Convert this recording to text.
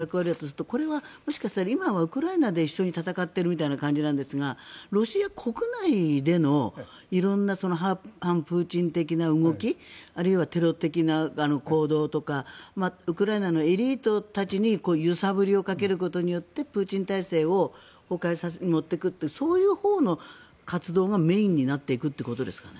２０００人ぐらい両方、義勇軍と集めてもそのくらいだということになると正面的なものよりはむしろ揺さぶりをかけるという役割だとするとこれは、もしかすると今はウクライナで一緒に戦ってるみたいな感じなんですがロシア国内での色んな反プーチン的な動きあるいはテロ的な行動とかウクライナのエリートたちに揺さぶりをかけることによってプーチン体制を崩壊に持っていくというそういうほうの活動がメインになっていくということですかね？